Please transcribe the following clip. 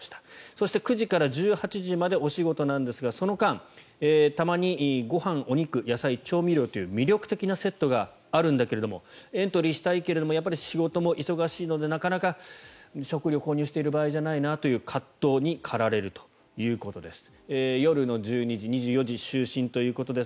そして、９時から１８時までお仕事なんですがその間、たまにご飯、お肉、野菜調味料という魅力的なセットがあるんだけれどもエントリーしたいけれども仕事も忙しいのでなかなか食料を購入している場合じゃないなという葛藤にかられるということです。